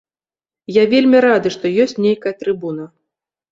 Я вельмі рады, што ёсць нейкая трыбуна.